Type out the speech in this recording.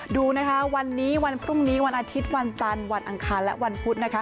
ดูนะคะวันนี้วันพรุ่งนี้วันอาทิตย์วันจันทร์วันอังคารและวันพุธนะคะ